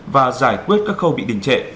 và giải quyết các khâu bị đình trệ